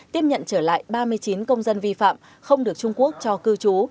tiếp nhận trở lại ba mươi chín công dân vi phạm không được trung quốc cho cư trú